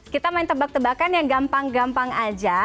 kita main tebak tebakan yang gampang gampang aja